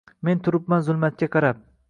Men turibman zulmatga qarab